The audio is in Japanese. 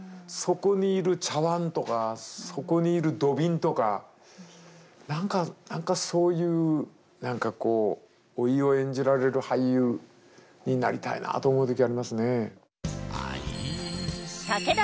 そこにいる茶わんとかそこにいる土瓶とか何か何かそういう何かこう老いを演じられる俳優になりたいなと思う時ありますね。